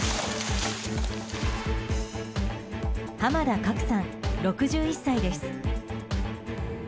濱田革さん、６１歳です。